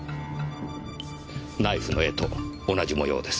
ナイフの柄と同じ模様です。